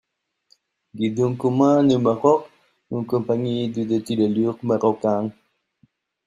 Guédon commande au Maroc une compagnie du de tirailleurs marocains.